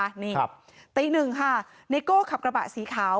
ตะยิงหนึ่งค่ะเนโก้ขับกระบะสีขาว